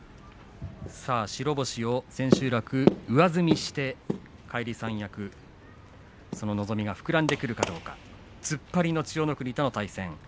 白星を千秋楽上積みして返り三役その望みが膨らんでくるかどうか突っ張りの千代の国との対戦です。